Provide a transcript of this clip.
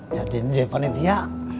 jadi ini dia panitia